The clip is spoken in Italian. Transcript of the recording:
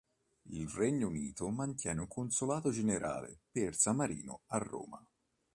Il Regno Unito mantiene un consolato generale per San Marino a Roma.